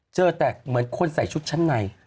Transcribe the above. เจอแต่เหมือนคนใส่ชุดชั้นใน